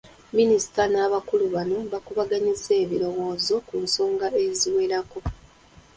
Minisita n'abakulu bano baakubaganyizza ebirowoozo ku nsonga eziwerako